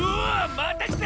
またきた！